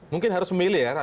mungkin harus memilih ya